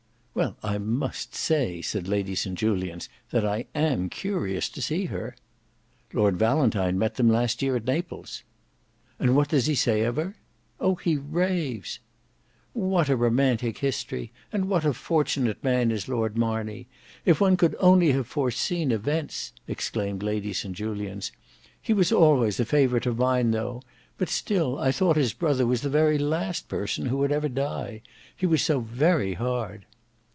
"Well, I must say," said Lady St Julians, "that I am curious to see her." "Lord Valentine met them last year at Naples." "And what does he say of her." "Oh! he raves!" "What a romantic history! And what a fortunate man is Lord Marney. If one could only have foreseen events!" exclaimed Lady St Julians. "He was always a favourite of mine though. But still I thought his brother was the very last person who ever would die. He was so very hard!"